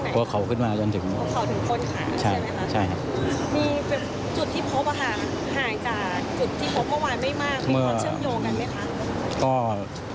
จากจุดที่พบเมื่อวานไม่มากมีคนเชื่อมโยงกันไหมคะ